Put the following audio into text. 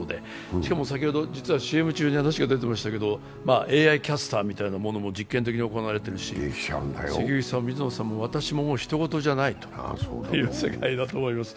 しかも先ほどＣＭ中に話が出てましたけどＡＩキャスターみたいなものも実験的に行われているし、関口さん、水野さん、私もひと事じゃない世界だと思います